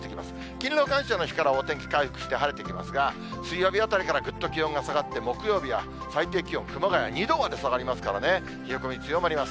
勤労感謝の日から、お天気回復して、晴れてきますが、水曜日あたりからぐっと気温が下がって、木曜日は最低気温、熊谷２度まで下がりますからね、冷え込み強まります。